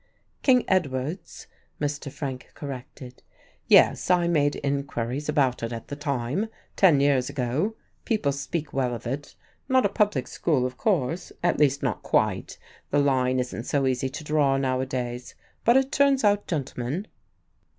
"King Edward's," Mr. Frank corrected. "Yes, I made inquiries about it at the time ten years ago. People speak well of it. Not a public school, of course at least, not quite; the line isn't so easy to draw nowadays but it turns out gentlemen."